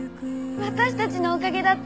私たちのおかげだって。